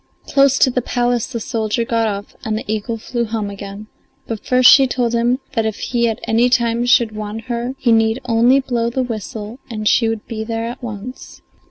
Close to the palace the soldier got off and the eagle flew home again, but first she told him that if he at any time should want her he need only blow the whistle and she would be there at once.